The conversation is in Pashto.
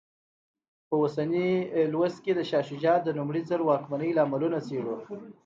په اوسني لوست کې د شاه شجاع د لومړي ځل واکمنۍ لاملونه څېړو.